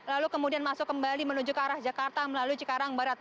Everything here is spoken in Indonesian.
lalu kemudian masuk kembali menuju ke arah jakarta melalui cikarang barat